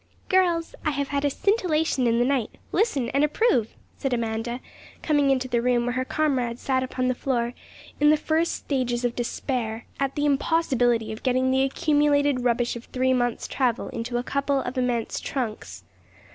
_ 'Girls, I have had a scintillation in the night: listen and approve!' said Amanda, coming into the room where her comrades sat upon the floor, in the first stages of despair, at the impossibility of getting the accumulated rubbish of three months' travel into a couple of immense trunks.